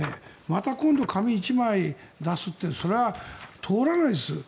また今度紙１枚出すっていうのはそれは通らないです。